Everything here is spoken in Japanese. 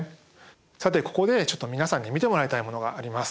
さてここでちょっと皆さんに見てもらいたいものがあります。